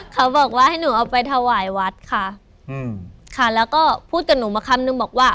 เขาบอกว่าให้หนูเอาไปถวายวัดค่ะอืมค่ะแล้วก็พูดกับหนูมาคำนึงบอกว่า